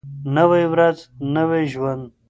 نوی ورځ نوی ژوند.